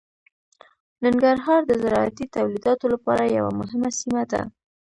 ننګرهار د زراعتي تولیداتو لپاره یوه مهمه سیمه ده.